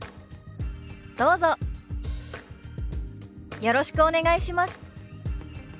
「よろしくお願いします」。